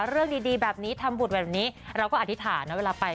เรื่องดีแบบนี้ทำบุญแบบนี้เราก็อธิษฐานนะเวลาไป